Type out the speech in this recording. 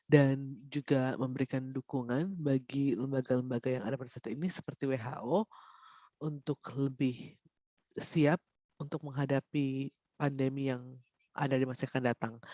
dan juga memberikan dukungan bagi lembaga lembaga yang ada pada saat ini seperti who untuk lebih siap untuk menghadapi pandemi yang ada di masa akan datang